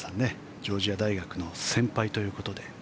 ジョージア大学の先輩ということで。